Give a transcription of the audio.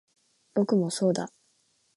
僕もそうだ